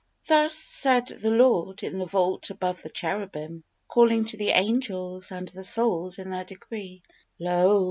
Thus said The Lord in the Vault above the Cherubim, Calling to the angels and the souls in their degree: "Lo!